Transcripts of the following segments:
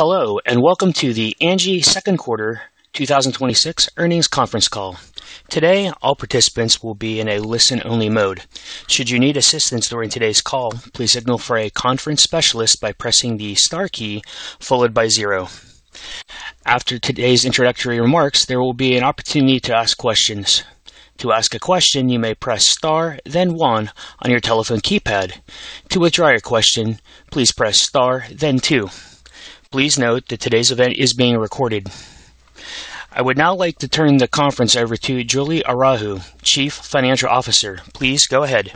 Hello, and welcome to the Angi second quarter 2026 earnings conference call. Today, all participants will be in a listen-only mode. Should you need assistance during today's call, please signal for a conference specialist by pressing the star key, followed by zero. After today's introductory remarks, there will be an opportunity to ask questions. To ask a question, you may press star, then one on your telephone keypad. To withdraw your question, please press star, then two. Please note that today's event is being recorded. I would now like to turn the conference over to Julie Hoarau, Chief Financial Officer. Please go ahead.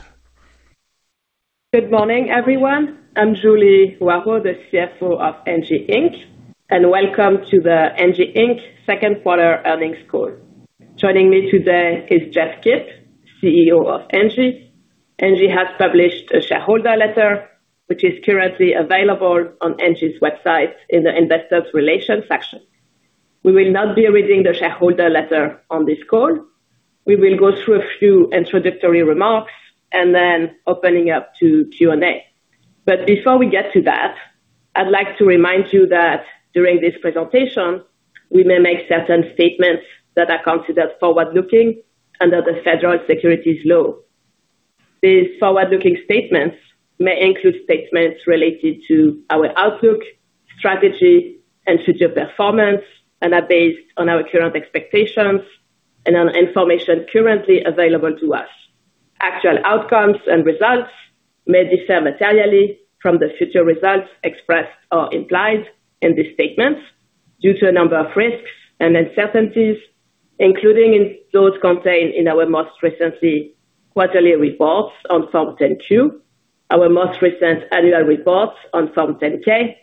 Good morning, everyone. I'm Julie Hoarau, the CFO of Angi Inc. Welcome to the Angi Inc second quarter earnings call. Joining me today is Jeff Kip, CEO of Angi. Angi has published a shareholder letter, which is currently available on Angi's website in the investor relations section. We will not be reading the shareholder letter on this call. We will go through a few introductory remarks and then opening up to Q&A. Before we get to that, I'd like to remind you that during this presentation, we may make certain statements that are considered forward-looking under the federal securities law. These forward-looking statements may include statements related to our outlook, strategy, and future performance, and are based on our current expectations and on information currently available to us. Actual outcomes and results may differ materially from the future results expressed or implied in these statements due to a number of risks and uncertainties, including those contained in our most recently quarterly reports on Form 10-Q, our most recent annual reports on Form 10-K,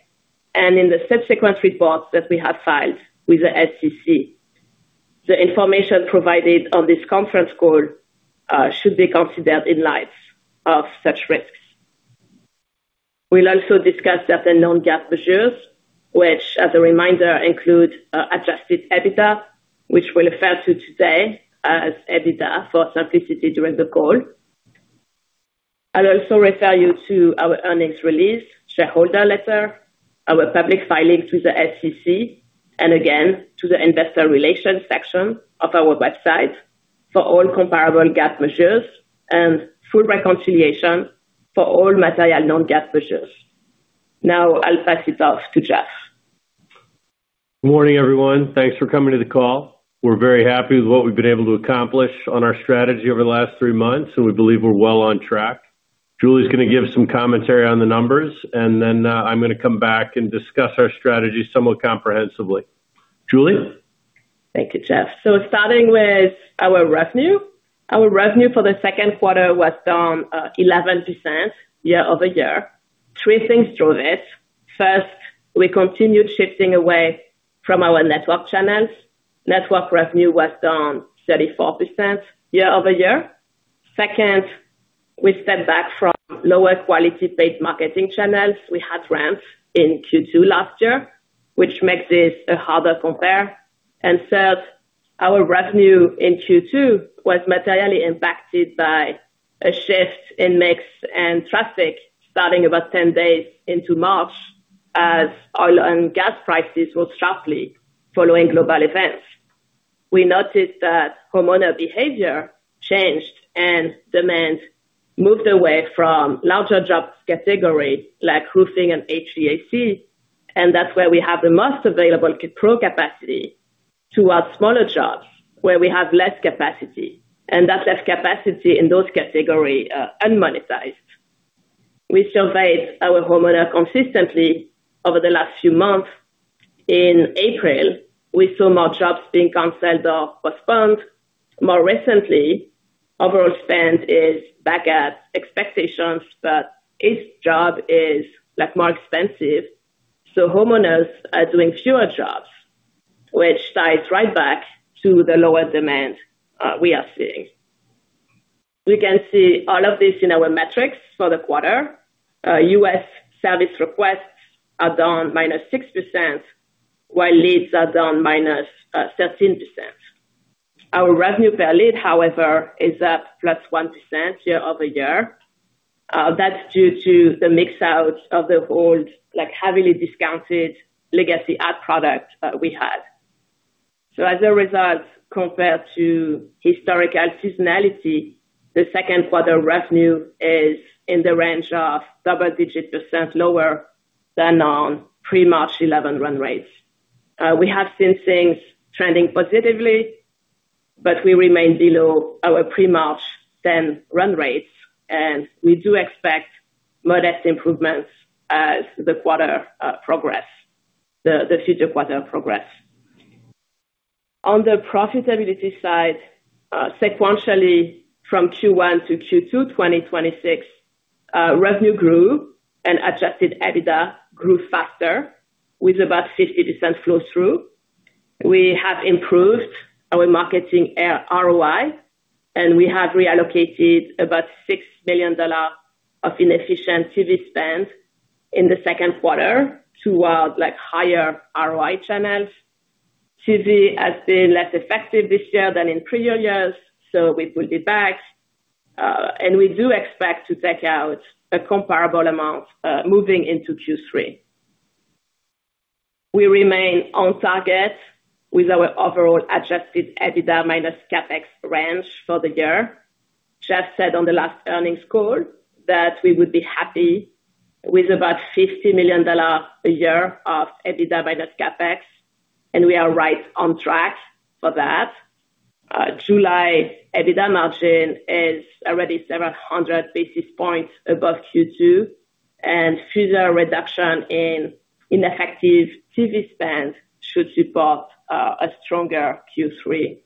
and in the subsequent reports that we have filed with the SEC. The information provided on this conference call should be considered in light of such risks. We'll also discuss certain non-GAAP measures, which, as a reminder, include adjusted EBITDA, which we'll refer to today as EBITDA for simplicity during the call. I'll also refer you to our earnings release, shareholder letter, our public filing to the SEC, and again, to the investor relations section of our website for all comparable GAAP measures and full reconciliation for all material non-GAAP measures. Now, I'll pass it off to Jeff. Morning, everyone. Thanks for coming to the call. We're very happy with what we've been able to accomplish on our strategy over the last three months, and we believe we're well on track. Julie's going to give some commentary on the numbers, and then I'm going to come back and discuss our strategy somewhat comprehensively. Julie? Thank you, Jeff. Starting with our revenue. Our revenue for the second quarter was down 11% year-over-year. Three things drove it. First, we continued shifting away from our network channels. Network revenue was down 34% year-over-year. Second, we stepped back from lower quality-based marketing channels. We had ramps in Q2 last year, which makes this a harder compare. Third, our revenue in Q2 was materially impacted by a shift in mix and traffic starting about 10 days into March as oil and gas prices rose sharply following global events. We noticed that homeowner behavior changed, and demand moved away from larger jobs category, like roofing and HVAC, and that's where we have the most available pro capacity, towards smaller jobs, where we have less capacity, and that less capacity in those categories are unmonetized. We surveyed our homeowners consistently over the last few months. In April, we saw more jobs being canceled or postponed. More recently, overall spend is back at expectations, but each job is more expensive, so homeowners are doing fewer jobs, which ties right back to the lower demand we are seeing. We can see all of this in our metrics for the quarter. U.S. service requests are down -6%, while leads are down -13%. Our revenue per lead, however, is up +1% year-over-year. That's due to the mix-out of the old heavily discounted legacy ad product we had. As a result, compared to historical seasonality, the second quarter revenue is in the range of double-digit percent lower than on pre-March 11 run rates. We have seen things trending positively, but we remain below our pre-March 10 run rates, and we do expect modest improvements as the future quarters progress. On the profitability side, sequentially from Q1 to Q2 2026, revenue grew and adjusted EBITDA grew faster with about 50% flow-through. We have improved our marketing ROI, and we have reallocated about $6 million of inefficient TV spend in the second quarter towards higher ROI channels. TV has been less effective this year than in prior years, so we will be back. We do expect to take out a comparable amount moving into Q3. We remain on target with our overall adjusted EBITDA minus CapEx range for the year. Jeff said on the last earnings call that we would be happy with about $50 million a year of EBITDA minus CapEx, and we are right on track for that. July EBITDA margin is already several hundred basis points above Q2, and further reduction in ineffective TV spend should support a stronger Q3.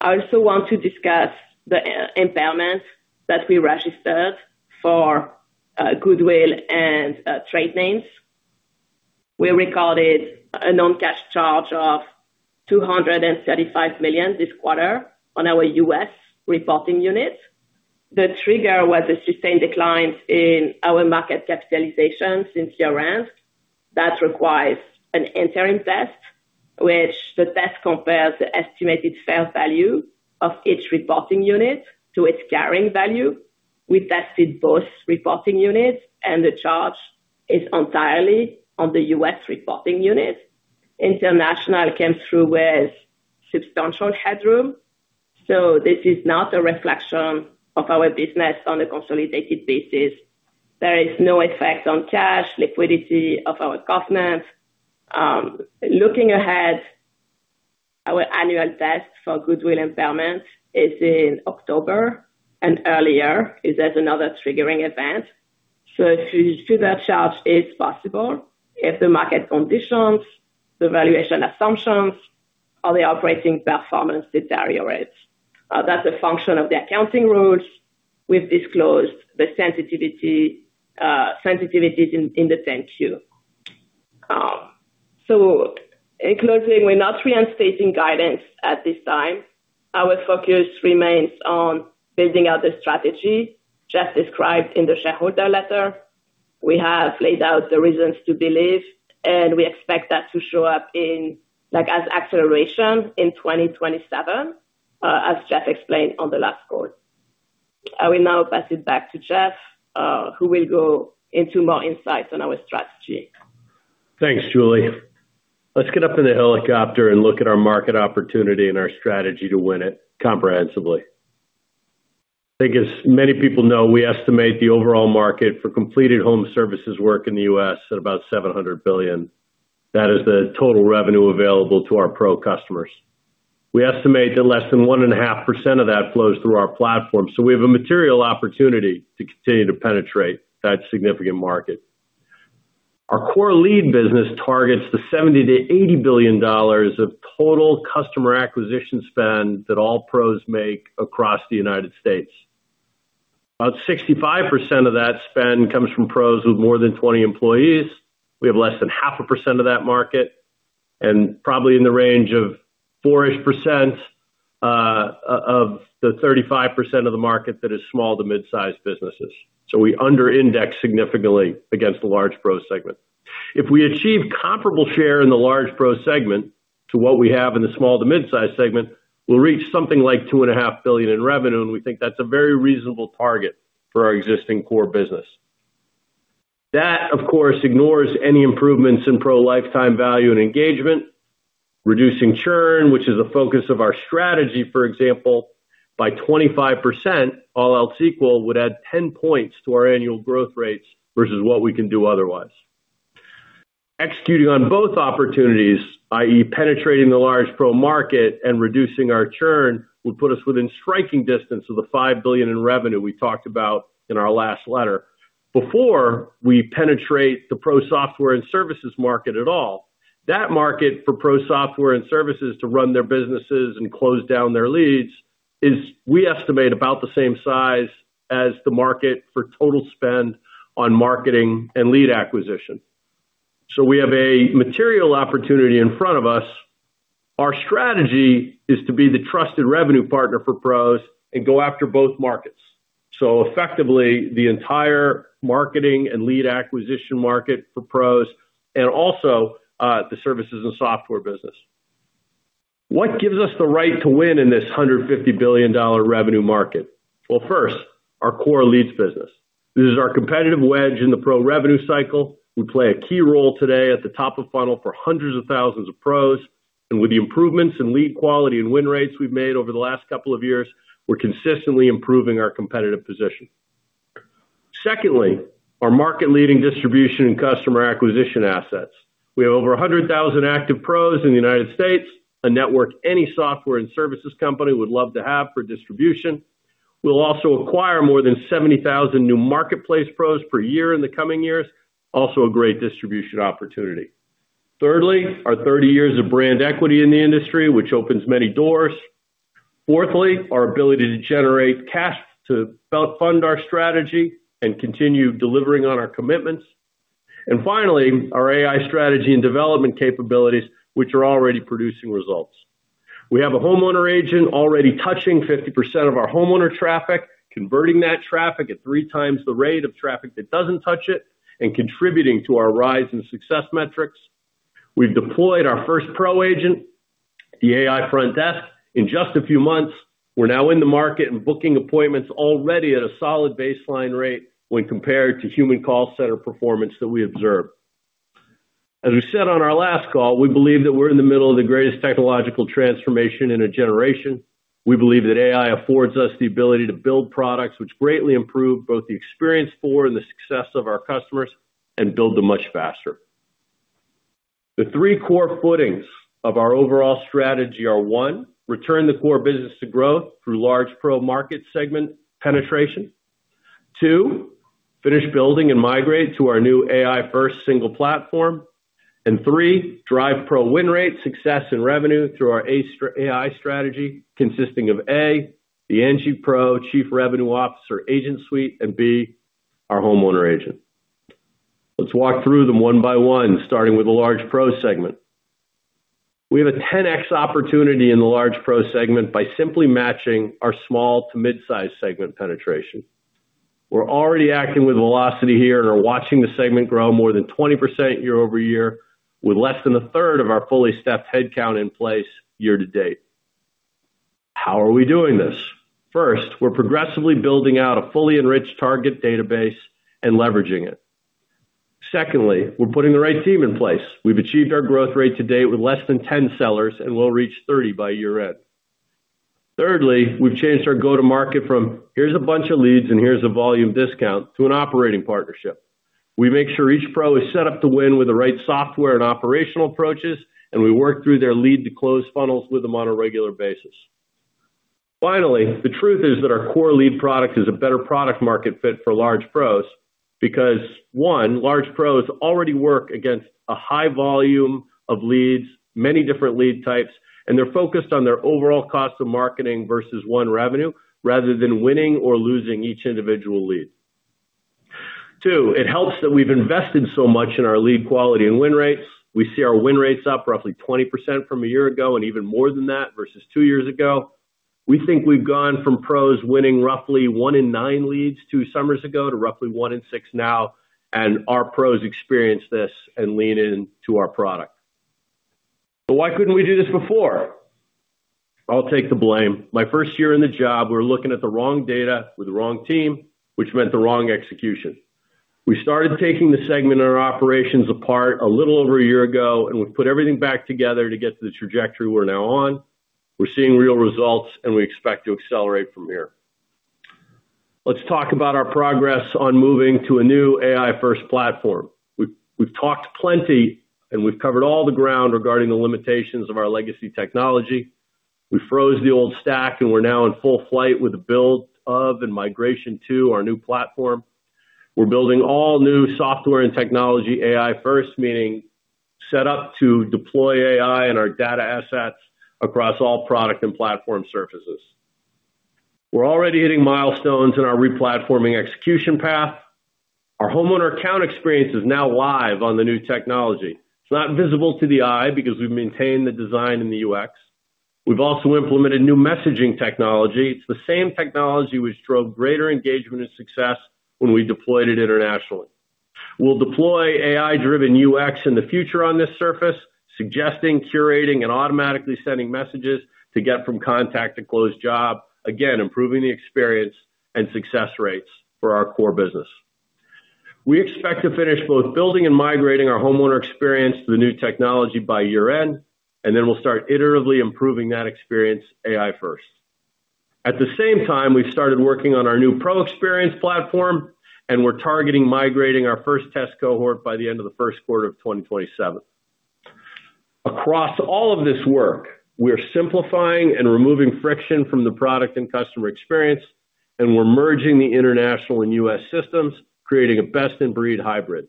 I also want to discuss the impairment that we registered for goodwill and trade names. We recorded a non-cash charge of $235 million this quarter on our U.S. reporting unit. The trigger was the sustained declines in our market capitalization since year-end. That requires an interim test, which the test compares the estimated fair value of each reporting unit to its carrying value. We tested both reporting units, and the charge is entirely on the U.S. reporting unit. International came through with substantial headroom. This is not a reflection of our business on a consolidated basis. There is no effect on cash liquidity of our commitments. Looking ahead, our annual test for goodwill impairment is in October, and earlier if there's another triggering event. Further charge is possible if the market conditions, the valuation assumptions or the operating performance deteriorates. That's a function of the accounting rules. We've disclosed the sensitivities in the 10-Q. In closing, we're not reinstating guidance at this time. Our focus remains on building out the strategy Jeff described in the shareholder letter. We have laid out the reasons to believe, and we expect that to show up as acceleration in 2027, as Jeff explained on the last call. I will now pass it back to Jeff, who will go into more insights on our strategy. Thanks, Julie. Let's get up in the helicopter and look at our market opportunity and our strategy to win it comprehensively. I think as many people know, we estimate the overall market for completed home services work in the U.S. at about $700 billion. That is the total revenue available to our Pro customers. We estimate that less than 1.5% of that flows through our platform. We have a material opportunity to continue to penetrate that significant market. Our core lead business targets the $70 billion-$80 billion of total customer acquisition spend that all Pros make across the United States. About 65% of that spend comes from Pros with more than 20 employees. We have less than 0.5% of that market, and probably in the range of 4%-ish of the 35% of the market that is small to mid-size businesses. We under-index significantly against the large pro segment. If we achieve comparable share in the large pro segment to what we have in the small to mid-size segment, we'll reach something like $2.5 billion in revenue, and we think that's a very reasonable target for our existing core business. That, of course, ignores any improvements in Pro lifetime value and engagement. Reducing churn, which is a focus of our strategy, for example, by 25%, all else equal, would add 10 points to our annual growth rates versus what we can do otherwise. Executing on both opportunities, i.e. penetrating the large pro market and reducing our churn, will put us within striking distance of the $5 billion in revenue we talked about in our last letter. Before we penetrate the Pro software and services market at all, that market for Pro software and services to run their businesses and close down their leads is, we estimate, about the same size as the market for total spend on marketing and lead acquisition. We have a material opportunity in front of us. Our strategy is to be the trusted revenue partner for Pros and go after both markets. Effectively, the entire marketing and lead acquisition market for Pros and also the services and software business. What gives us the right to win in this $150 billion revenue market? Well, first, our core leads business. This is our competitive wedge in the Pro revenue cycle. We play a key role today at the top of funnel for hundreds of thousands of Pros, and with the improvements in lead quality and win rates we've made over the last couple of years, we're consistently improving our competitive position. Secondly, our market-leading distribution and customer acquisition assets. We have over 100,000 active Pros in the United States, a network any software and services company would love to have for distribution. We'll also acquire more than 70,000 new marketplace Pros per year in the coming years. Also a great distribution opportunity. Thirdly, our 30 years of brand equity in the industry, which opens many doors. Fourthly, our ability to generate cash to fund our strategy and continue delivering on our commitments. Finally, our AI strategy and development capabilities, which are already producing results. We have a homeowner agent already touching 50% of our homeowner traffic, converting that traffic at three times the rate of traffic that doesn't touch it, and contributing to our rise in success metrics. We've deployed our first Pro agent, the AI Front Desk. In just a few months, we're now in the market and booking appointments already at a solid baseline rate when compared to human call center performance that we observe. As we said on our last call, we believe that we're in the middle of the greatest technological transformation in a generation. We believe that AI affords us the ability to build products which greatly improve both the experience for and the success of our customers, and build them much faster. The three core footings of our overall strategy are, one, return the core business to growth through large pro market segment penetration. Two, finish building and migrate to our new AI-first single platform. Three, drive Pro win rate, success, and revenue through our AI strategy, consisting of A, the Angi Pro Chief Revenue Officer agent suite, and B, our Homeowner Agent. Let's walk through them one by one, starting with the large pro segment. We have a 10x opportunity in the large pro segment by simply matching our small to mid-size segment penetration. We're already acting with velocity here and are watching the segment grow more than 20% year-over-year with less than a third of our fully staffed headcount in place year to date. How are we doing this? First, we're progressively building out a fully enriched target database and leveraging it. Secondly, we're putting the right team in place. We've achieved our growth rate to date with less than 10 sellers and will reach 30 by year-end. Thirdly, we've changed our go-to-market from here's a bunch of leads and here's a volume discount to an operating partnership. We make sure each Pro is set up to win with the right software and operational approaches, and we work through their lead to close funnels with them on a regular basis. Finally, the truth is that our core lead product is a better product market fit for large pros because, one, large pros already work against a high volume of leads, many different lead types, and they're focused on their overall cost of marketing versus won revenue rather than winning or losing each individual lead. Two, it helps that we've invested so much in our lead quality and win rates. We see our win rates up roughly 20% from a year ago and even more than that versus two years ago. We think we've gone from pros winning roughly one in nine leads two summers ago to roughly one in six now, and our pros experience this and lean into our product. Why couldn't we do this before? I'll take the blame. My first year in the job, we were looking at the wrong data with the wrong team, which meant the wrong execution. We started taking the segment and our operations apart a little over a year ago, and we've put everything back together to get to the trajectory we're now on. We're seeing real results, and we expect to accelerate from here. Let's talk about our progress on moving to a new AI-first platform. We've talked plenty, and we've covered all the ground regarding the limitations of our legacy technology. We froze the old stack, and we're now in full flight with the build of and migration to our new platform. We're building all new software and technology AI-first, meaning set up to deploy AI and our data assets across all product and platform surfaces. We're already hitting milestones in our re-platforming execution path. Our homeowner account experience is now live on the new technology. It's not visible to the eye because we've maintained the design and the UX. We've also implemented new messaging technology. It's the same technology which drove greater engagement and success when we deployed it internationally. We'll deploy AI-driven UX in the future on this surface, suggesting, curating, and automatically sending messages to get from contact to closed job, again, improving the experience and success rates for our core business. We expect to finish both building and migrating our homeowner experience to the new technology by year-end, and then we'll start iteratively improving that experience AI-first. At the same time, we've started working on our new pro experience platform, and we're targeting migrating our first test cohort by the end of the first quarter of 2027. Across all of this work, we're simplifying and removing friction from the product and customer experience, and we're merging the international and U.S. systems, creating a best-in-breed hybrid.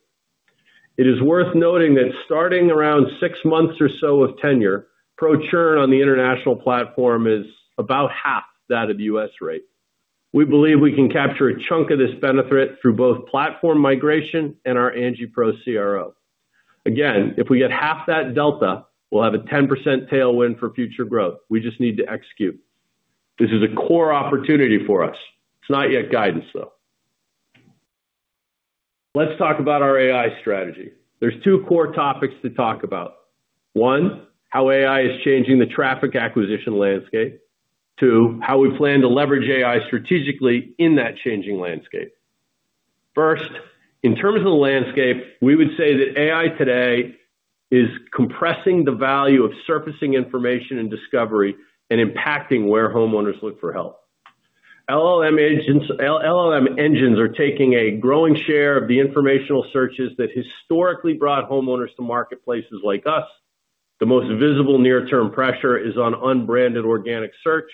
It is worth noting that starting around six months or so of tenure, pro churn on the international platform is about half that of U.S. rate. We believe we can capture a chunk of this benefit through both platform migration and our Angi Pro CRO. Again, if we get half that delta, we'll have a 10% tailwind for future growth. We just need to execute. This is a core opportunity for us. It's not yet guidance, though. Let's talk about our AI strategy. There's two core topics to talk about. One, how AI is changing the traffic acquisition landscape. Two, how we plan to leverage AI strategically in that changing landscape. First, in terms of the landscape, we would say that AI today is compressing the value of surfacing information and discovery and impacting where homeowners look for help. LLM engines are taking a growing share of the informational searches that historically brought homeowners to marketplaces like us. The most visible near-term pressure is on unbranded organic search.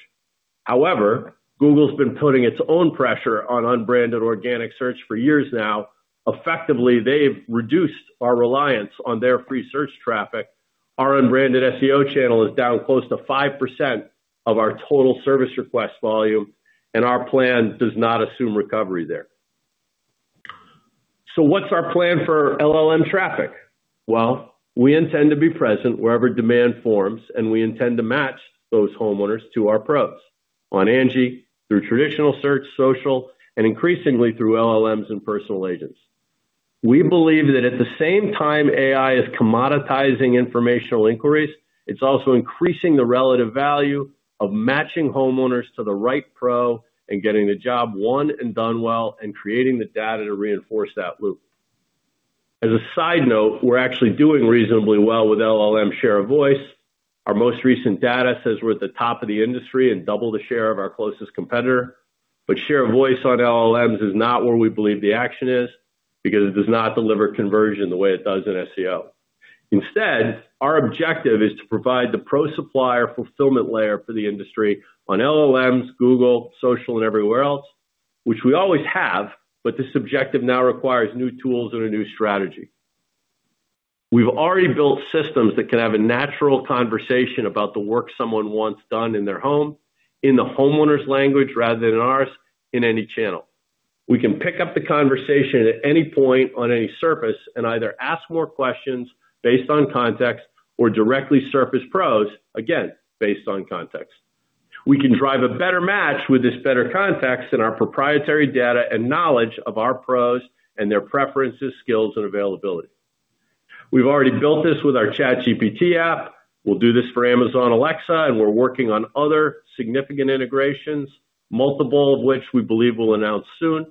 However, Google's been putting its own pressure on unbranded organic search for years now. Effectively, they've reduced our reliance on their free search traffic. Our unbranded SEO channel is down close to 5% of our total service request volume, and our plan does not assume recovery there. What's our plan for LLM traffic? We intend to be present wherever demand forms, and we intend to match those homeowners to our pros on Angi through traditional search, social, and increasingly through LLMs and personal agents. We believe that at the same time AI is commoditizing informational inquiries, it's also increasing the relative value of matching homeowners to the right pro and getting the job won and done well and creating the data to reinforce that loop. As a side note, we're actually doing reasonably well with LLM share of voice. Our most recent data says we're at the top of the industry and double the share of our closest competitor. Share of voice on LLMs is not where we believe the action is, because it does not deliver conversion the way it does in SEO. Instead, our objective is to provide the pro supplier fulfillment layer for the industry on LLMs, Google, social, and everywhere else, which we always have, this objective now requires new tools and a new strategy. We've already built systems that can have a natural conversation about the work someone wants done in their home, in the homeowner's language rather than ours, in any channel. We can pick up the conversation at any point on any surface and either ask more questions based on context or directly surface pros, again, based on context. We can drive a better match with this better context than our proprietary data and knowledge of our pros and their preferences, skills, and availability. We've already built this with our ChatGPT app. We'll do this for Amazon Alexa, and we're working on other significant integrations, multiple of which we believe we'll announce soon.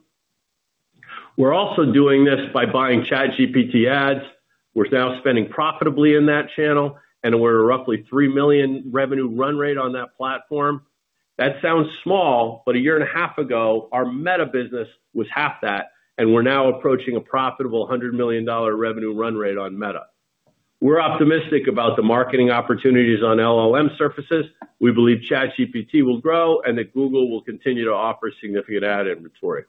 We're also doing this by buying ChatGPT ads. We're now spending profitably in that channel, and we're at a roughly $3 million revenue run rate on that platform. That sounds small, but a year and a half ago, our Meta business was half that, and we're now approaching a profitable $100 million revenue run rate on Meta. We're optimistic about the marketing opportunities on LLM surfaces. We believe ChatGPT will grow and that Google will continue to offer significant ad inventory.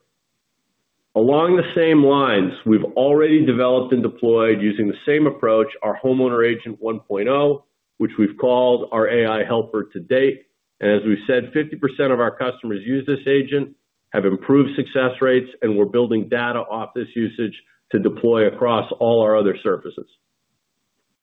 Along the same lines, we've already developed and deployed using the same approach, our Homeowner Agent 1.0, which we've called our AI Helper to date. As we've said, 50% of our customers use this agent, have improved success rates, and we're building data off this usage to deploy across all our other surfaces.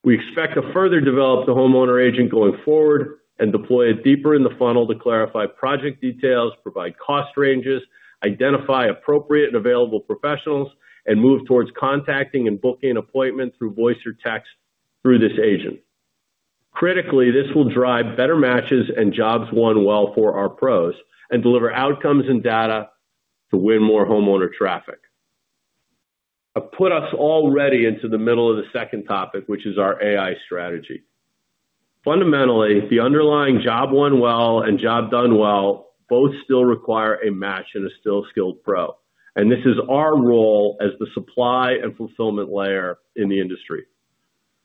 We expect to further develop the homeowner agent going forward and deploy it deeper in the funnel to clarify project details, provide cost ranges, identify appropriate and available professionals, and move towards contacting and booking appointments through voice or text through this agent. Critically, this will drive better matches and jobs won well for our pros and deliver outcomes and data to win more homeowner traffic. I've put us already into the middle of the second topic, which is our AI strategy. Fundamentally, the underlying job won well and job done well both still require a match and a still skilled Pro, and this is our role as the supply and fulfillment layer in the industry.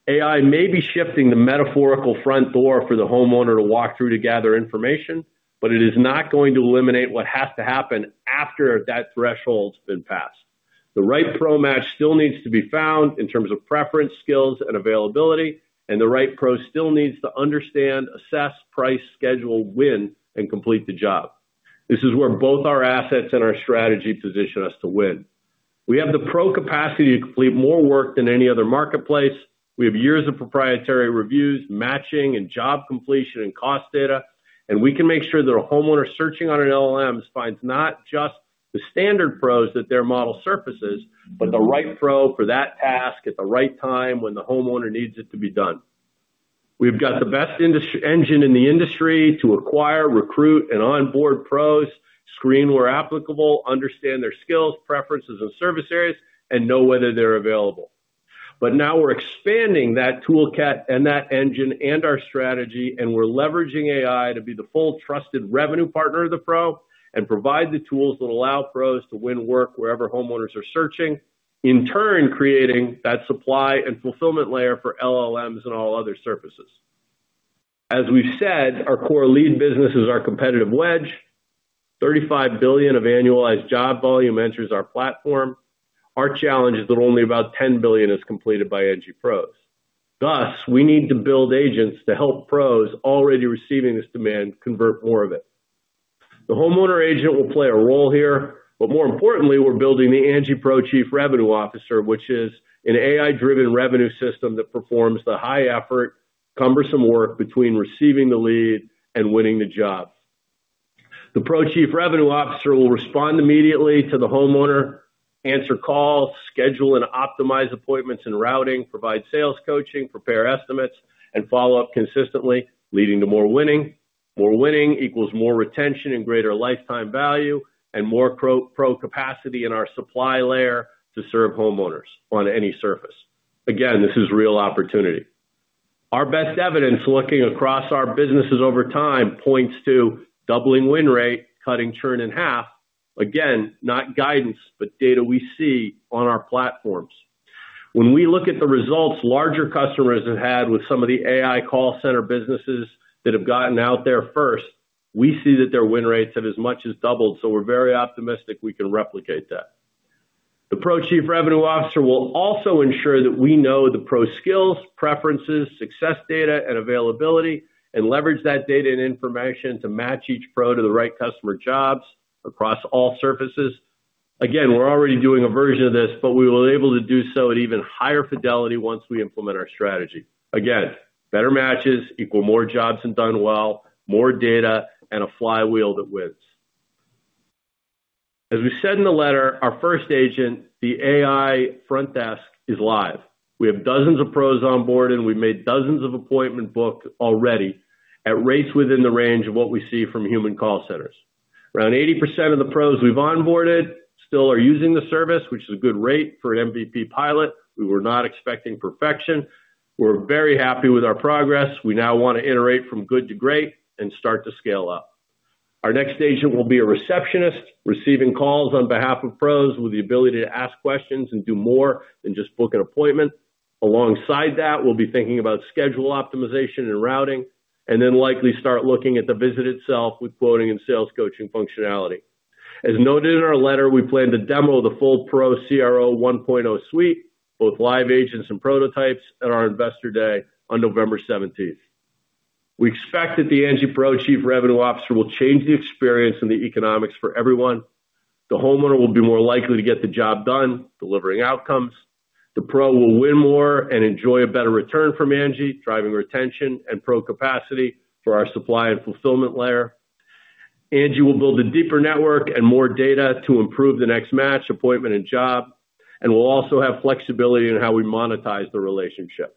AI may be shifting the metaphorical front door for the homeowner to walk through to gather information, but it is not going to eliminate what has to happen after that threshold's been passed. The right pro match still needs to be found in terms of preference, skills, and availability, and the right pro still needs to understand, assess, price, schedule, win, and complete the job. This is where both our assets and our strategy position us to win. We have the pro capacity to complete more work than any other marketplace. We have years of proprietary reviews, matching, and job completion and cost data, and we can make sure that a homeowner searching on an LLM finds not just the standard pros that their model surfaces, but the right pro for that task at the right time when the homeowner needs it to be done. We've got the best engine in the industry to acquire, recruit, and onboard pros, screen where applicable, understand their skills, preferences, and service areas, and know whether they're available. Now we're expanding that toolkit and that engine and our strategy, and we're leveraging AI to be the full trusted revenue partner of the pro and provide the tools that allow pros to win work wherever homeowners are searching, in turn, creating that supply and fulfillment layer for LLMs and all other surfaces. As we've said, our core lead business is our competitive wedge. $35 billion of annualized job volume enters our platform. Our challenge is that only about $10 billion is completed by Angi pros. Thus, we need to build agents to help pros already receiving this demand convert more of it. The homeowner agent will play a role here, but more importantly, we're building the Angi Pro Chief Revenue Officer, which is an AI-driven revenue system that performs the high-effort, cumbersome work between receiving the lead and winning the job. The Pro Chief Revenue Officer will respond immediately to the homeowner, answer calls, schedule and optimize appointments and routing, provide sales coaching, prepare estimates, and follow up consistently, leading to more winning. More winning equals more retention and greater lifetime value and more pro capacity in our supply layer to serve homeowners on any surface. Again, this is real opportunity. Our best evidence looking across our businesses over time points to doubling win rate, cutting churn in half. Again, not guidance, but data we see on our platforms. When we look at the results larger customers have had with some of the AI call center businesses that have gotten out there first, we see that their win rates have as much as doubled, so we're very optimistic we can replicate that. The Pro Chief Revenue Officer will also ensure that we know the pro skills, preferences, success data, and availability, and leverage that data and information to match each pro to the right customer jobs across all surfaces. Again, we're already doing a version of this, but we will able to do so at even higher fidelity once we implement our strategy. Again, better matches equal more jobs than done well, more data, and a flywheel that wins. As we said in the letter, our first agent, the AI Front Desk, is live. We have dozens of pros on board, and we've made dozens of appointment booked already at rates within the range of what we see from human call centers. Around 80% of the pros we've onboarded still are using the service, which is a good rate for an MVP pilot. We were not expecting perfection. We're very happy with our progress. We now want to iterate from good to great and start to scale up. Our next agent will be a receptionist receiving calls on behalf of pros with the ability to ask questions and do more than just book an appointment. Alongside that, we'll be thinking about schedule optimization and routing, and then likely start looking at the visit itself with quoting and sales coaching functionality. As noted in our letter, we plan to demo the full Pro CRO 1.0 suite, both live agents and prototypes at our investor day on November 17th. We expect that the Angi Pro Chief Revenue Officer will change the experience and the economics for everyone. The homeowner will be more likely to get the job done, delivering outcomes. The pro will win more and enjoy a better return from Angi, driving retention and pro capacity for our supply and fulfillment layer. Angi will build a deeper network and more data to improve the next match, appointment, and job. We'll also have flexibility in how we monetize the relationship.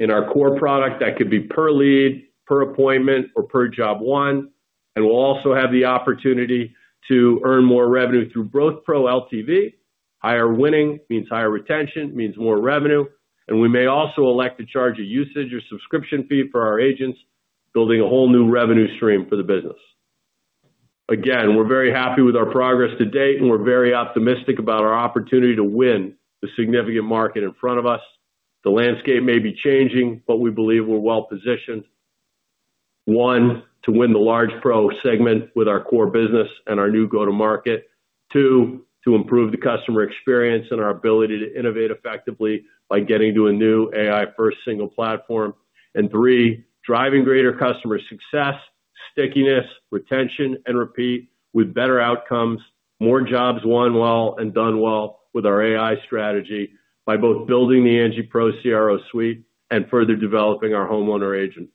In our core product, that could be per lead, per appointment, or per job won, and we'll also have the opportunity to earn more revenue through both pro LTV. Higher winning means higher retention, means more revenue, and we may also elect to charge a usage or subscription fee for our agents, building a whole new revenue stream for the business. Again, we're very happy with our progress to date, and we're very optimistic about our opportunity to win the significant market in front of us. The landscape may be changing, but we believe we're well positioned. One, to win the large pro segment with our core business and our new go-to-market. Two, to improve the customer experience and our ability to innovate effectively by getting to a new AI-first single platform. Three, driving greater customer success, stickiness, retention, and repeat with better outcomes, more jobs won well and done well with our AI strategy by both building the Angi Pro CRO suite and further developing our homeowner agent.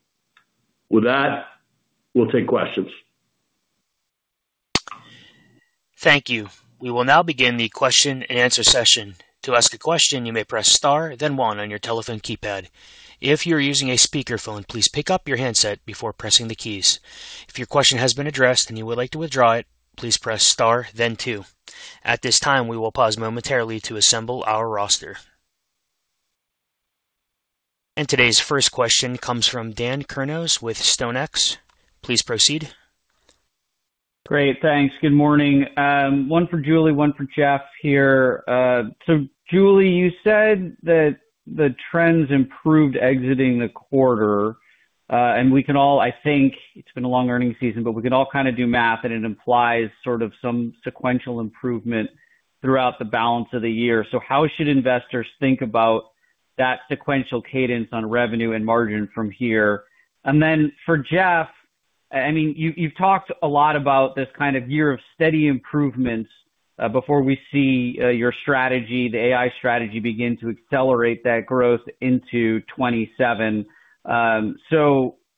With that, we'll take questions. Thank you. We will now begin the question and answer session. To ask a question, you may press star then one on your telephone keypad. If you're using a speakerphone, please pick up your handset before pressing the keys. If your question has been addressed and you would like to withdraw it, please press star then two. At this time, we will pause momentarily to assemble our roster. Today's first question comes from Dan Kurnos with StoneX. Please proceed. Great, thanks. Good morning. One for Julie, one for Jeff here. Julie, you said that the trends improved exiting the quarter. We can all, I think, it's been a long earning season, but we can all kind of do math, and it implies sort of some sequential improvement throughout the balance of the year. How should investors think about that sequential cadence on revenue and margin from here? For Jeff, you've talked a lot about this kind of year of steady improvements, before we see your strategy, the AI strategy, begin to accelerate that growth into 2027.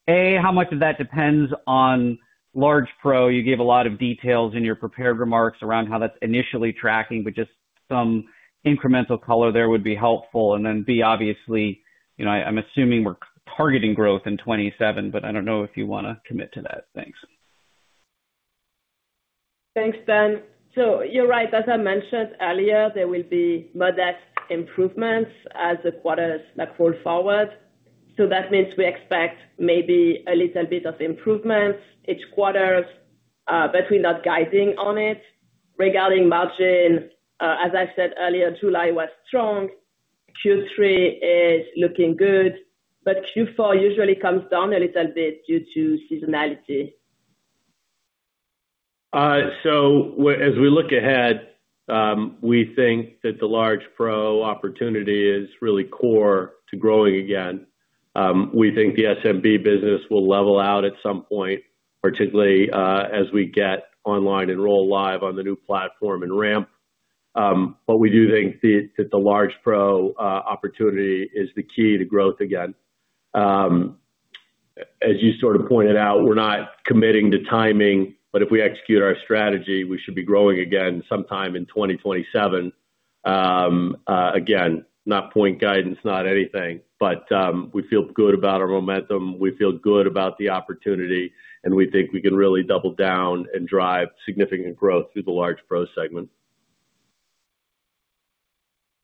A, how much of that depends on large pro? You gave a lot of details in your prepared remarks around how that's initially tracking, but just some incremental color there would be helpful. B, obviously, I'm assuming we're targeting growth in 2027, but I don't know if you wanna commit to that. Thanks. Thanks, Dan. You're right. As I mentioned earlier, there will be modest improvements as the quarters roll forward. That means we expect maybe a little bit of improvement each quarter, but we're not guiding on it. Regarding margin, as I said earlier, July was strong. Q3 is looking good, but Q4 usually comes down a little bit due to seasonality. As we look ahead, we think that the large pro opportunity is really core to growing again. We think the SMB business will level out at some point, particularly as we get online enroll live on the new platform and ramp. We do think that the large pro opportunity is the key to growth again. As you sort of pointed out, we're not committing to timing, but if we execute our strategy, we should be growing again sometime in 2027. Again, not point guidance, not anything, but we feel good about our momentum. We feel good about the opportunity, and we think we can really double down and drive significant growth through the large pro segment.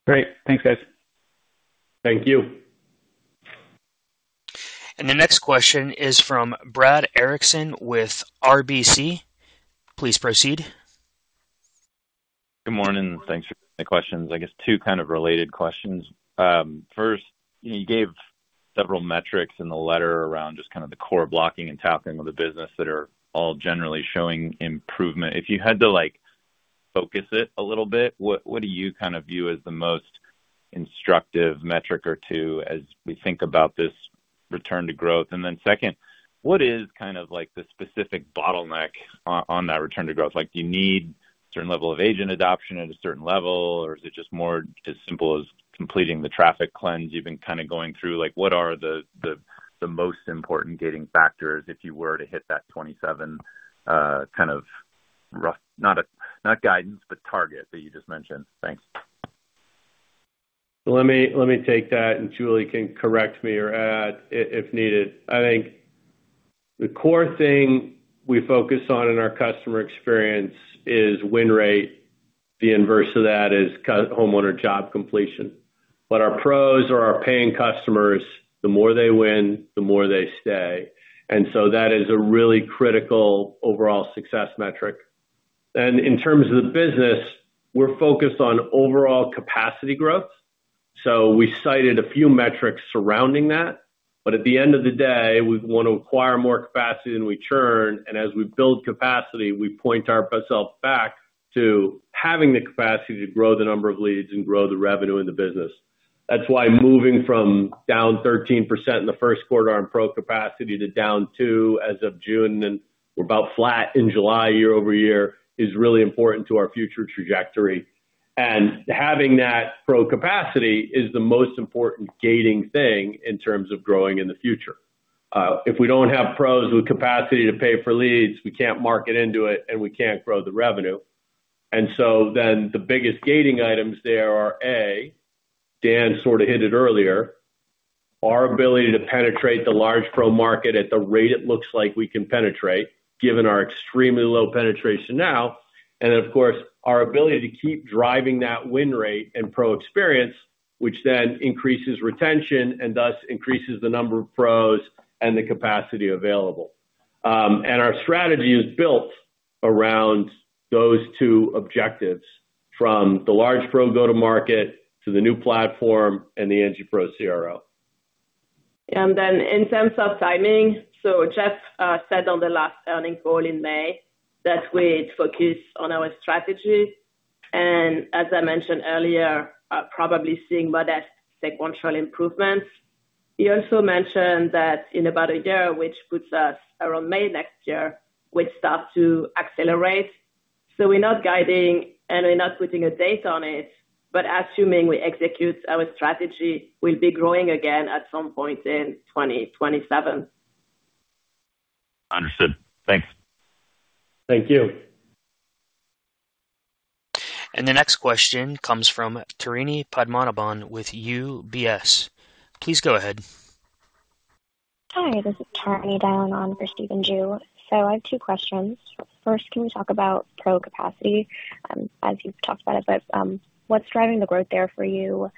Great. Thanks, guys. Thank you. The next question is from Brad Erickson with RBC. Please proceed. Good morning. Thanks for taking the questions. I guess two kind of related questions. First, you gave several metrics in the letter around just kind of the core blocking and tackling of the business that are all generally showing improvement. If you had to focus it a little bit, what do you kind of view as the most instructive metric or two as we think about this return to growth. The second, what is kind of like the specific bottleneck on that return to growth? Do you need a certain level of agent adoption at a certain level, or is it just more as simple as completing the traffic cleanse you've been kind of going through? What are the most important gating factors if you were to hit that 2027 kind of rough, not guidance, but target that you just mentioned? Thanks. Let me take that, Julie can correct me or add if needed. I think the core thing we focus on in our customer experience is win rate. The inverse of that is homeowner job completion. Our pros are our paying customers, the more they win, the more they stay. That is a really critical overall success metric. In terms of the business, we're focused on overall capacity growth. We cited a few metrics surrounding that. At the end of the day, we want to acquire more capacity than we churn, and as we build capacity, we point ourselves back to having the capacity to grow the number of leads and grow the revenue in the business. That's why moving from down 13% in the first quarter on pro capacity to down 2% as of June, and we're about flat in July year-over-year, is really important to our future trajectory. Having that pro capacity is the most important gating thing in terms of growing in the future. If we don't have pros with capacity to pay for leads, we can't market into it, we can't grow the revenue. The biggest gating items there are, A, Dan sort of hit it earlier, our ability to penetrate the large pro market at the rate it looks like we can penetrate, given our extremely low penetration now. Then, of course, our ability to keep driving that win rate and pro experience, which then increases retention and thus increases the number of pros and the capacity available. Our strategy is built around those two objectives from the large pro go-to-market to the new platform and the Angi Pro CRO. In terms of timing, Jeff said on the last earnings call in May that we'd focus on our strategy, as I mentioned earlier, probably seeing by that sequential improvements. He also mentioned that in about a year, which puts us around May next year, we'd start to accelerate. We're not guiding, we're not putting a date on it, assuming we execute our strategy, we'll be growing again at some point in 2027. Understood. Thanks. Thank you. The next question comes from Tarini Padmanabhan with UBS. Please go ahead. Hi, this is Tarini dialing on for Stephen Ju. I have two questions. First, can we talk about pro capacity? You've talked about it, but what's driving the growth there for you?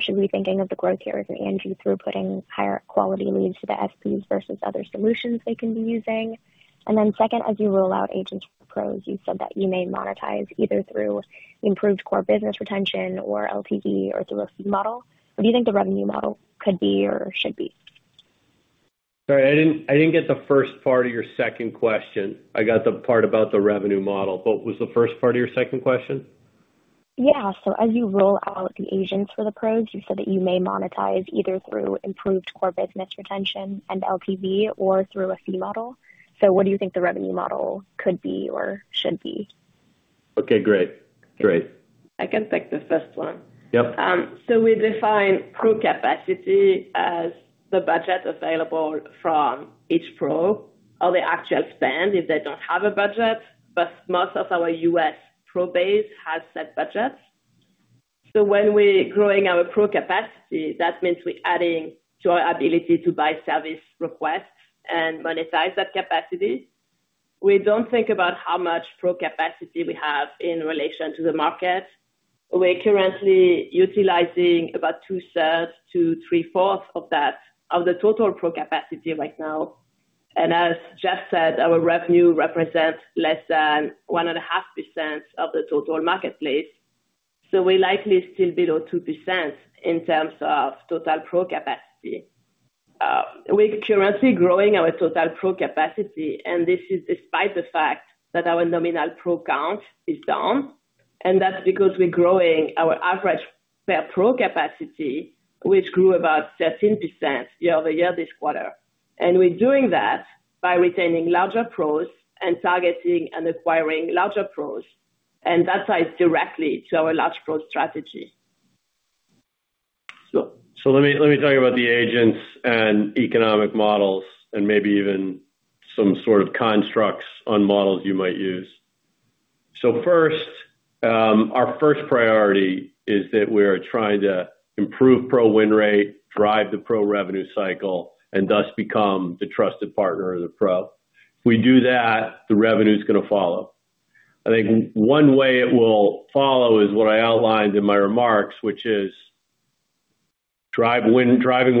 Should we be thinking of the growth here as Angi through putting higher quality leads to the SPs versus other solutions they can be using? Second, as you roll out agents for pros, you said that you may monetize either through improved core business retention or LTV or through a feed model. What do you think the revenue model could be or should be? Sorry, I didn't get the first part of your second question. I got the part about the revenue model. What was the first part of your second question? Yeah. As you roll out the agents for the pros, you said that you may monetize either through improved core business retention and LTV or through a fee model. What do you think the revenue model could be or should be? Okay, great. I can take the first one. Yep. We define pro capacity as the budget available from each pro or the actual spend if they don't have a budget, but most of our U.S. pro base has set budgets. When we're growing our pro capacity, that means we're adding to our ability to buy service requests and monetize that capacity. We don't think about how much pro capacity we have in relation to the market. We're currently utilizing about two-thirds to three-fourths of the total pro capacity right now. As Jeff said, our revenue represents less than 1.5% of the total marketplace. We're likely still below 2% in terms of total pro capacity. We're currently growing our total pro capacity, this is despite the fact that our nominal pro count is down, that's because we're growing our average per pro capacity, which grew about 13% year-over-year this quarter. We're doing that by retaining larger pros and targeting and acquiring larger pros, that ties directly to our large pro strategy. Let me talk about the agents and economic models and maybe even some sort of constructs on models you might use. First, our first priority is that we are trying to improve pro win rate, drive the pro revenue cycle, and thus become the trusted partner of the Pro. We do that, the revenue's going to follow. I think one way it will follow is what I outlined in my remarks, which is driving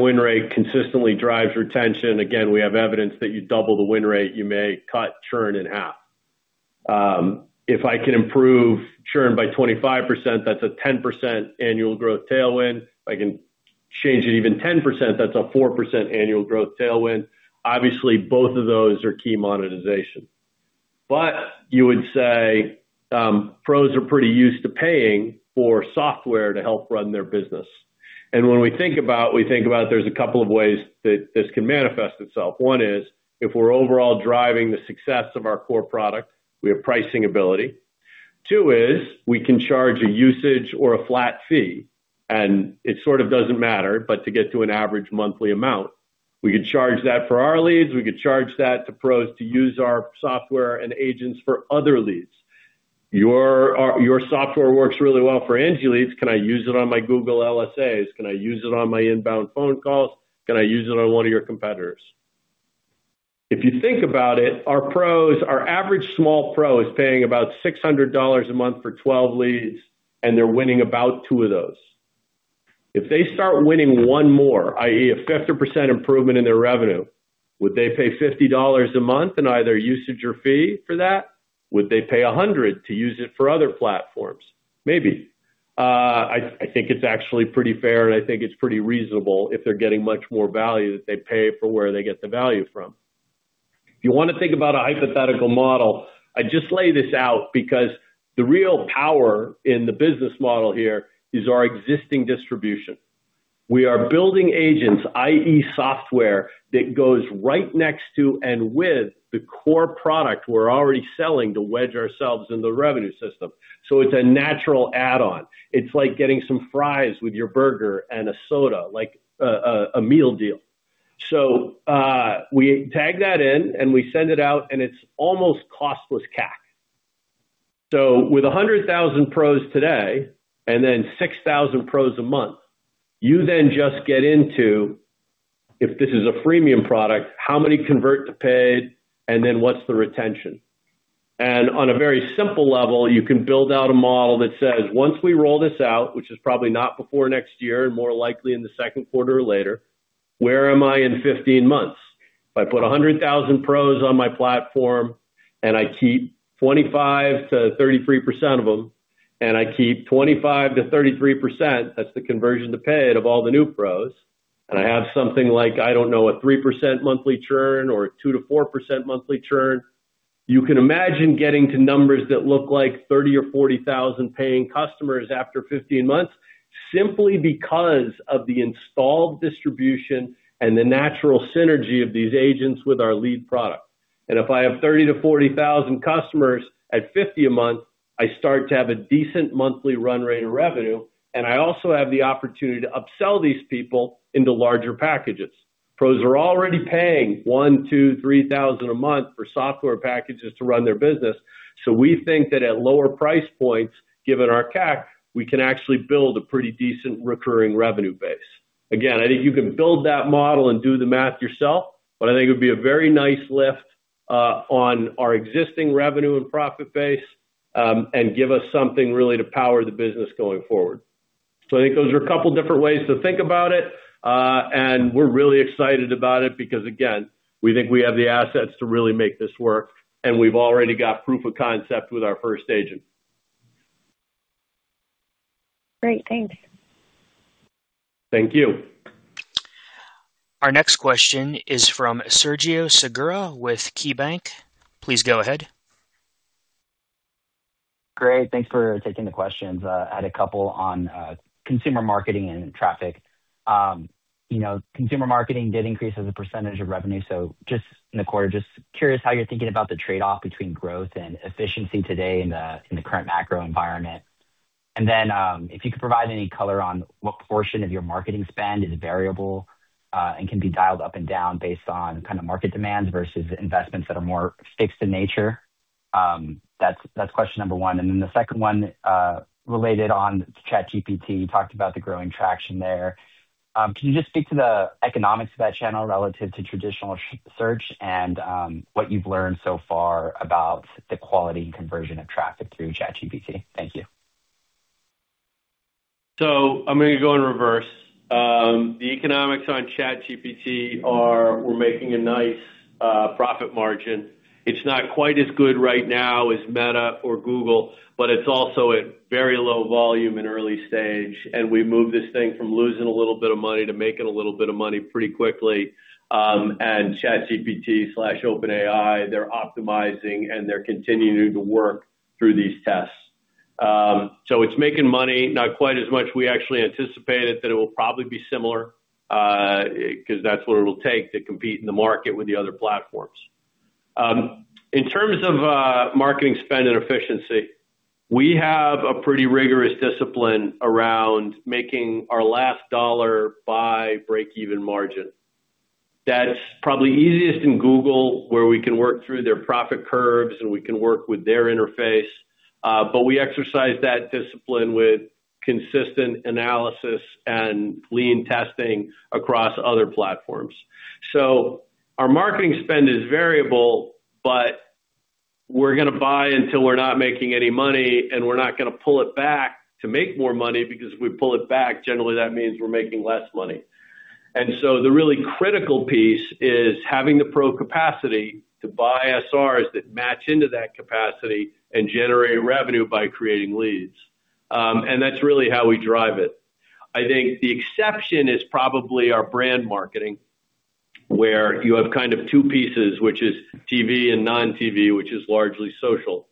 win rate consistently drives retention. Again, we have evidence that you double the win rate, you may cut churn in half. If I can improve churn by 25%, that's a 10% annual growth tailwind. If I can change it even 10%, that's a 4% annual growth tailwind. Obviously, both of those are key monetization. You would say pros are pretty used to paying for software to help run their business. When we think about there's a couple of ways that this can manifest itself. One is, if we're overall driving the success of our core product, we have pricing ability. Two is, we can charge a usage or a flat fee, and it sort of doesn't matter, but to get to an average monthly amount. We could charge that for our leads, we could charge that to pros to use our software and agents for other leads. Your software works really well for Angi Leads. Can I use it on my Google LSAs? Can I use it on my inbound phone calls? Can I use it on one of your competitors? If you think about it, our average small pro is paying about $600 a month for 12 leads, and they're winning about two of those. If they start winning one more, i.e., a 50% improvement in their revenue, would they pay $50 a month in either usage or fee for that? Would they pay $100 to use it for other platforms? Maybe. I think it's actually pretty fair, and I think it's pretty reasonable if they're getting much more value that they pay for where they get the value from. If you want to think about a hypothetical model, I just lay this out because the real power in the business model here is our existing distribution. We are building agents, i.e., software, that goes right next to and with the core product we're already selling to wedge ourselves in the revenue system. It's a natural add-on. It's like getting some fries with your burger and a soda, like a meal deal. We tag that in, and we send it out, and it's almost costless CAC. With 100,000 pros today and then 6,000 pros a month, you then just get into, if this is a freemium product, how many convert to paid, and then what's the retention? On a very simple level, you can build out a model that says, once we roll this out, which is probably not before next year and more likely in the second quarter or later, where am I in 15 months? If I put 100,000 pros on my platform and I keep 25%-33% of them, and I keep 25%-33%, that's the conversion to paid of all the new pros, and I have something like, I don't know, a 3% monthly churn or a 2%-4% monthly churn, you can imagine getting to numbers that look like 30,000 or 40,000 paying customers after 15 months simply because of the installed distribution and the natural synergy of these agents with our lead product. If I have 30,000-40,000 customers at $50 a month, I start to have a decent monthly run rate in revenue, and I also have the opportunity to upsell these people into larger packages. Pros are already paying $1,000, $2,000, $3,000 a month for software packages to run their business. We think that at lower price points, given our CAC, we can actually build a pretty decent recurring revenue base. Again, I think you can build that model and do the math yourself, but I think it would be a very nice lift on our existing revenue and profit base, and give us something really to power the business going forward. I think those are a couple different ways to think about it. We're really excited about it because, again, we think we have the assets to really make this work, and we've already got proof of concept with our first agent. Great. Thanks. Thank you. Our next question is from Sergio Segura with KeyBanc. Please go ahead. Great. Thanks for taking the questions. I had a couple on consumer marketing and traffic. Consumer marketing did increase as a percentage of revenue, just in the quarter, just curious how you're thinking about the trade-off between growth and efficiency today in the current macro environment. Then, if you could provide any color on what portion of your marketing spend is variable, and can be dialed up and down based on kind of market demands versus investments that are more fixed in nature. That's question number one. Then the second one, related on to ChatGPT. You talked about the growing traction there. Can you just speak to the economics of that channel relative to traditional search and what you've learned so far about the quality and conversion of traffic through ChatGPT? Thank you. I'm going to go in reverse. The economics on ChatGPT are we're making a nice profit margin. It's not quite as good right now as Meta or Google, but it's also at very low volume and early stage, and we moved this thing from losing a little bit of money to making a little bit of money pretty quickly. ChatGPT/OpenAI, they're optimizing, and they're continuing to work through these tests. It's making money, not quite as much we actually anticipated, that it'll probably be similar, because that's what it'll take to compete in the market with the other platforms. In terms of marketing spend and efficiency, we have a pretty rigorous discipline around making our last dollar by break-even margin. That's probably easiest in Google, where we can work through their profit curves, and we can work with their interface. We exercise that discipline with consistent analysis and lean testing across other platforms. Our marketing spend is variable, but we're going to buy until we're not making any money, and we're not going to pull it back to make more money because if we pull it back, generally that means we're making less money. The really critical piece is having the pro capacity to buy SRs that match into that capacity and generate revenue by creating leads. That's really how we drive it. I think the exception is probably our brand marketing, where you have two pieces, which is TV and non-TV, which is largely social.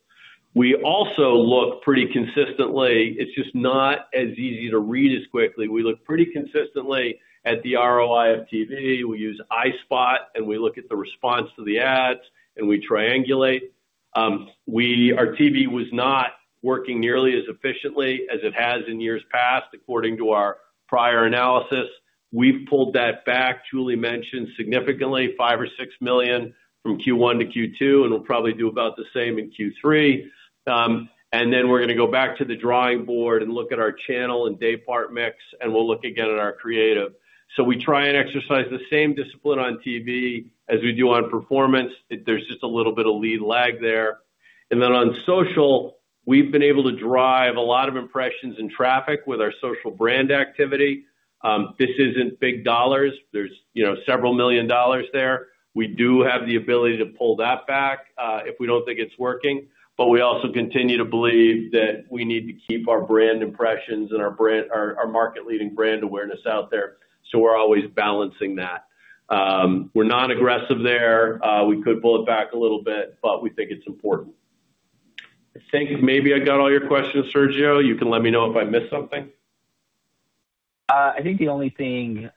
We also look pretty consistently, it's just not as easy to read as quickly. We look pretty consistently at the ROI of TV. We use iSpot, and we look at the response to the ads, and we triangulate. Our TV was not working nearly as efficiently as it has in years past, according to our prior analysis. We've pulled that back, Julie mentioned significantly, $5 million or $6 million from Q1 to Q2, and we'll probably do about the same in Q3. We're going to go back to the drawing board and look at our channel and daypart mix, and we'll look again at our creative. We try and exercise the same discipline on TV as we do on performance. There's just a little bit of lead lag there. On social, we've been able to drive a lot of impressions and traffic with our social brand activity. This isn't big dollars. There's several million dollars there. We do have the ability to pull that back if we don't think it's working, but we also continue to believe that we need to keep our brand impressions and our market leading brand awareness out there. We're always balancing that. We're not aggressive there. We could pull it back a little bit, but we think it's important. I think maybe I got all your questions, Sergio. You can let me know if I missed something. I think the only thing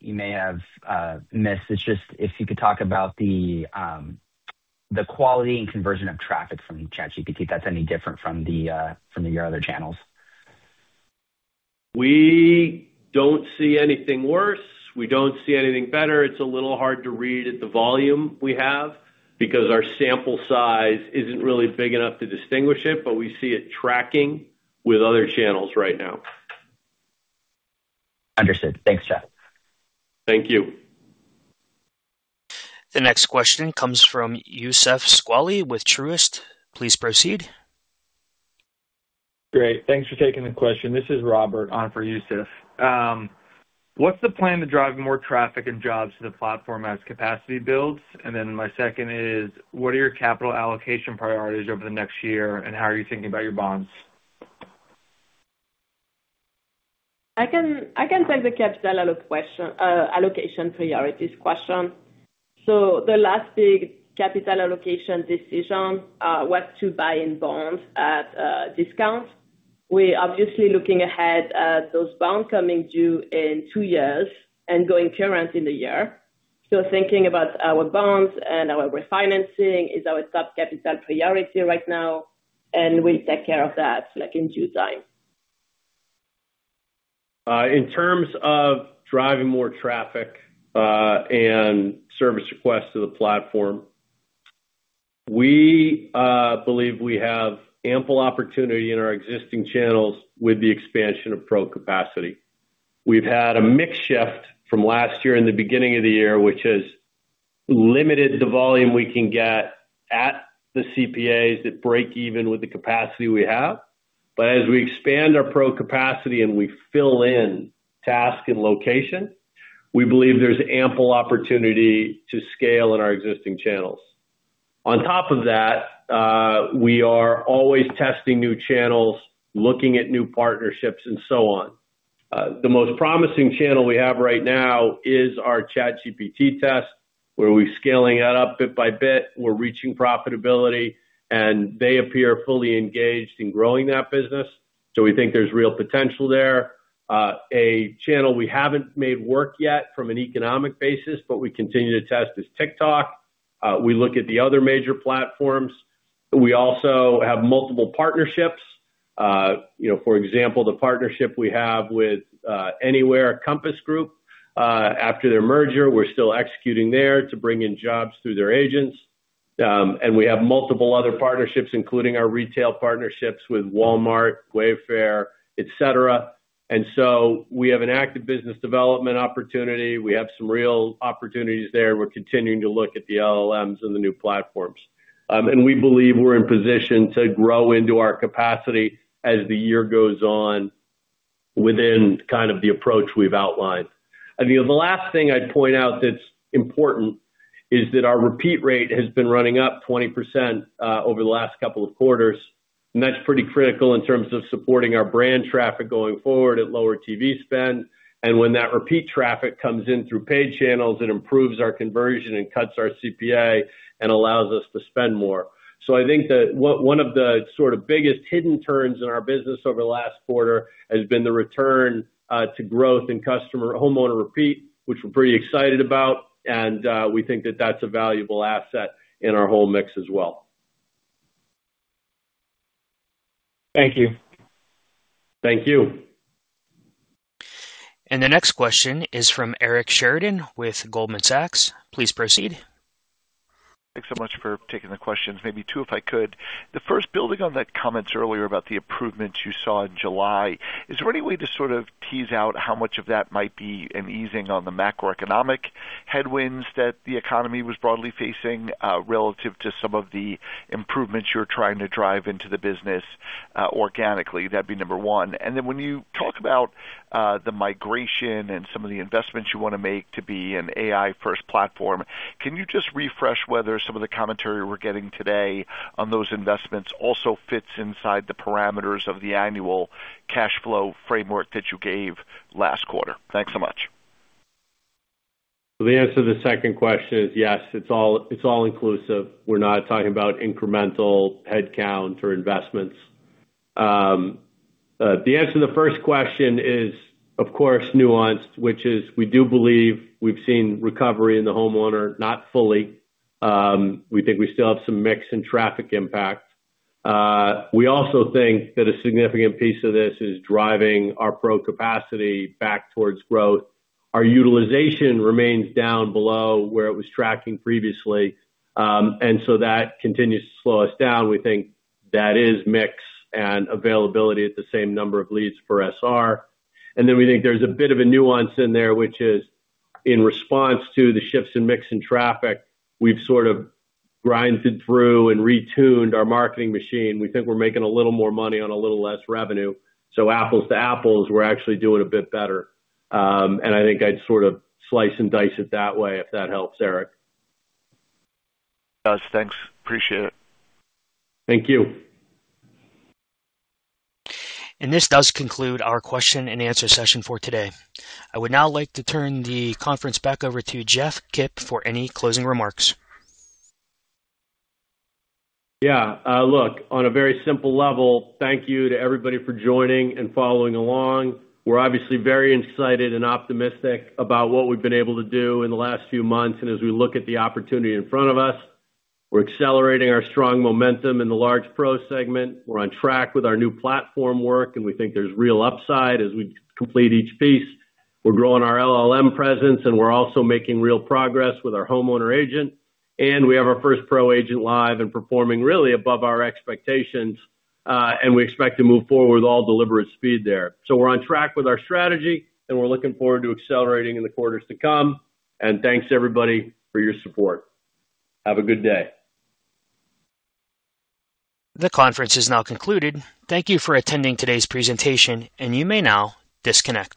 you may have missed is just if you could talk about the quality and conversion of traffic from ChatGPT, that's any different from your other channels. We don't see anything worse. We don't see anything better. It's a little hard to read at the volume we have because our sample size isn't really big enough to distinguish it, but we see it tracking with other channels right now. Understood. Thanks, Jeff. Thank you. The next question comes from Youssef Squali with Truist. Please proceed. Great. Thanks for taking the question. This is Robert on for Youssef. What's the plan to drive more traffic and jobs to the platform as capacity builds? What are your capital allocation priorities over the next year, and how are you thinking about your bonds? I can take the capital allocation priorities question. The last big capital allocation decision was to buy in bonds at a discount. We're obviously looking ahead at those bonds coming due in two years and going current in a year. Thinking about our bonds and our refinancing is our top capital priority right now, and we'll take care of that in due time. In terms of driving more traffic and service requests to the platform, we believe we have ample opportunity in our existing channels with the expansion of Pro capacity. We've had a mix shift from last year and the beginning of the year, which has limited the volume we can get at the CPAs that break even with the capacity we have. As we expand our Pro capacity and we fill in task and location, we believe there's ample opportunity to scale in our existing channels. On top of that, we are always testing new channels, looking at new partnerships and so on. The most promising channel we have right now is our ChatGPT test, where we're scaling that up bit by bit. We're reaching profitability, and they appear fully engaged in growing that business. We think there's real potential there. A channel we haven't made work yet from an economic basis, but we continue to test, is TikTok. We look at the other major platforms. We also have multiple partnerships. For example, the partnership we have with Anywhere Compass Group. After their merger, we're still executing there to bring in jobs through their agents. We have multiple other partnerships, including our retail partnerships with Walmart, Wayfair, et cetera. We have an active business development opportunity. We have some real opportunities there. We're continuing to look at the LLMs and the new platforms. We believe we're in position to grow into our capacity as the year goes on within the approach we've outlined. The last thing I'd point out that's important is that our repeat rate has been running up 20% over the last couple of quarters, and that's pretty critical in terms of supporting our brand traffic going forward at lower TV spend. When that repeat traffic comes in through paid channels, it improves our conversion and cuts our CPA and allows us to spend more. I think that one of the sort of biggest hidden turns in our business over the last quarter has been the return to growth in homeowner repeat, which we're pretty excited about, and we think that that's a valuable asset in our whole mix as well. Thank you. Thank you. The next question is from Eric Sheridan with Goldman Sachs. Please proceed. Thanks so much for taking the questions. Maybe two, if I could. The first, building on the comments earlier about the improvements you saw in July, is there any way to sort of tease out how much of that might be an easing on the macroeconomic headwinds that the economy was broadly facing relative to some of the improvements you're trying to drive into the business organically? That'd be number one. When you talk about the migration and some of the investments you want to make to be an AI-first platform, can you just refresh whether some of the commentary we're getting today on those investments also fits inside the parameters of the annual cash flow framework that you gave last quarter? Thanks so much. The answer to the second question is yes, it's all inclusive. We're not talking about incremental headcount or investments. The answer to the first question is, of course, nuanced, which is, we do believe we've seen recovery in the homeowner, not fully. We think we still have some mix in traffic impact. We also think that a significant piece of this is driving our Pro capacity back towards growth. Our utilization remains down below where it was tracking previously. That continues to slow us down. We think that is mix and availability at the same number of leads for SR. We think there's a bit of a nuance in there, which is in response to the shifts in mix and traffic, we've sort of grinded through and retuned our marketing machine. We think we're making a little more money on a little less revenue. Apples to apples, we're actually doing a bit better. I think I'd sort of slice and dice it that way, if that helps, Eric. It does. Thanks, appreciate it. Thank you. This does conclude our question and answer session for today. I would now like to turn the conference back over to Jeff Kip for any closing remarks. Yeah. Look, on a very simple level, thank you to everybody for joining and following along. We're obviously very excited and optimistic about what we've been able to do in the last few months. As we look at the opportunity in front of us, we're accelerating our strong momentum in the large pro segment. We're on track with our new platform work, and we think there's real upside as we complete each piece. We're growing our LLM presence, and we're also making real progress with our homeowner agent. We have our first Pro agent live and performing really above our expectations. We expect to move forward with all deliberate speed there. We're on track with our strategy, and we're looking forward to accelerating in the quarters to come. Thanks everybody for your support. Have a good day. The conference is now concluded. Thank you for attending today's presentation, and you may now disconnect.